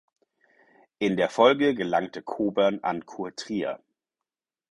In der Folge gelangte Kobern an Kurtrier.